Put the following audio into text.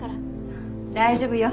大丈夫よ。